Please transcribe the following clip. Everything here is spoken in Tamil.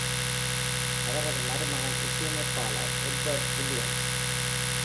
அவரது மருமகன் இசையமைப்பாளர் எட்வர்ட் வில்லியம்ஸ்.